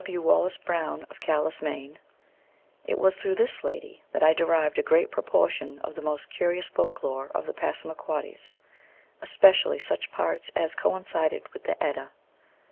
W. WALLACE BROWN, of Calais, Maine. It PREFACE. vii was through this lady that I derived a great proportion of the most curious folk lore of the Passamaquoddies, especially such parts as coincided with the Edda.